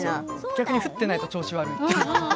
逆に降っていないと調子が悪いと。